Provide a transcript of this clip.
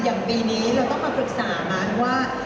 อย่างปีนี้เราต้องมาปรึกษามันว่า